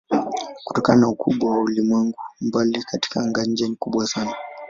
Kutokana na ukubwa wa ulimwengu umbali katika anga-nje ni kubwa sana.